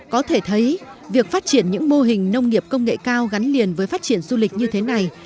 có thể thấy việc phát triển những mô hình nông nghiệp công nghệ cao gắn liền với phát triển du lịch như thế này